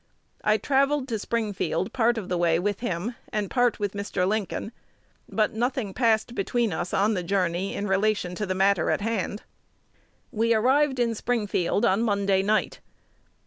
I travelled to Springfield part of the way with him, and part with Mr. Lincoln; but nothing passed between us on the journey in relation to the matter in hand. We arrived in Springfield on Monday night.